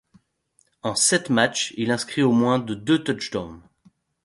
En sept matchs, il inscrit au moins de deux touchdowns.